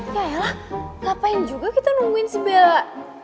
yaelah ngapain juga kita nungguin si bella